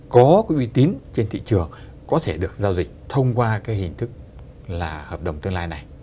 có cái uy tín trên thị trường có thể được giao dịch thông qua cái hình thức là hợp đồng tương lai này